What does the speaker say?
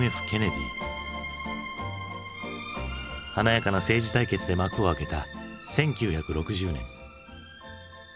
華やかな政治対決で幕を開けた１９６０年。